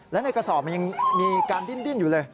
และในกระสอบมันยังมีการดิ้นอยู่เลย